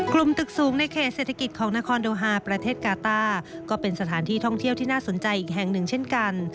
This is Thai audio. กลุ่มตึกสูงในเขตเศรษฐกิจของนครโดฮาประเทศกาต้าก็เป็นสถานที่ท่องเที่ยวที่น่าสนใจอีกแห่งหนึ่งเช่นกัน